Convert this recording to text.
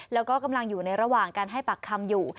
แล้วก็กำลังอยู่ในระหว่างการให้ปากคำอยู่